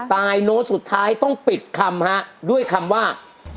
โน้ตสุดท้ายต้องปิดคำฮะด้วยคำว่า